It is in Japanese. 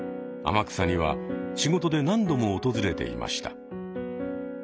天草には仕事で何度も訪れていました。